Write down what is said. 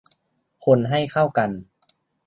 คนให้เข้ากัน